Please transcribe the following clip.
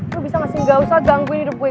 itu bisa ngasih gak usah gangguin hidup gue